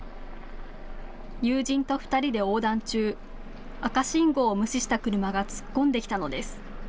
友人と２人で横断中、赤信号を無視した車が突っ込んできたのです。